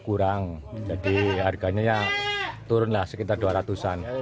kurang jadi harganya ya turun lah sekitar dua ratus an